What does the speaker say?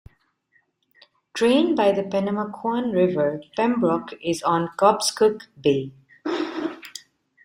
Drained by the Pennamaquan River, Pembroke is on Cobscook Bay.